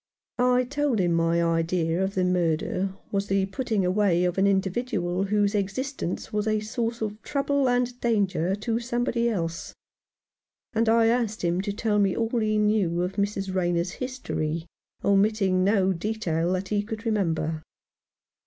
I told him my idea of the murder was the putting away of an individual whose existence was a source of trouble and danger to somebody else ; and I asked him to tell me all he knew of Mrs. Rayner's history, omitting no detail that he could remember.